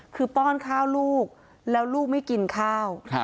คือป้อนข้าวลูกแล้วลูกไม่กินข้าว